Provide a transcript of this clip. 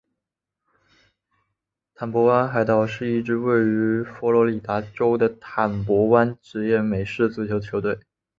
坦帕湾海盗是一支位于佛罗里达州的坦帕湾职业美式足球球队。